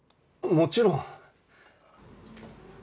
もちろん！